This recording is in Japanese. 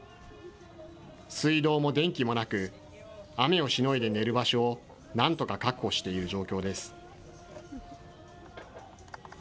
水道も電気もなく、雨をしのいで寝る場所をなんとか確保している状況です。